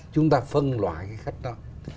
chúng ta phân loại cái khách đó